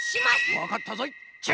わかったぞい。